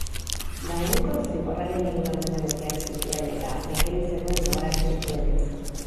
Dagoeneko zigorraren hiru laurdenak beteak zituen, eta gaixorik zegoen, gogorarazi duenez.